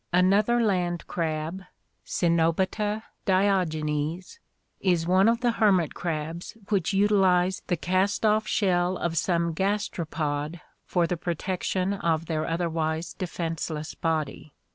Another land crab, Cenobita diogenes, is one of the hermit crabs which utilize the cast off shell of some gastropod for the protection of their otherwise defenseless body.